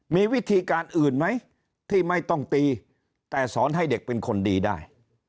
มีวิธีการอื่นไหมที่ไม่ต้องตีแต่สอนให้เด็กเป็นคนดีได้